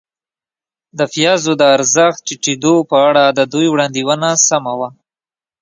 د پیزو د ارزښت ټیټېدو په اړه د دوی وړاندوېنه سمه وه.